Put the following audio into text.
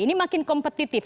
ini makin kompetitif